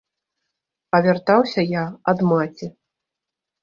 А вяртаўся я ад маці.